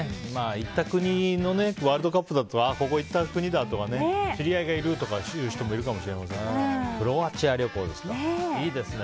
行った国ワールドカップとかでここ、行った国だ！とか知り合いがいるとかいう人もいるかもしれませんからね。